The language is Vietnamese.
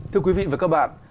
thưa quý vị và các bạn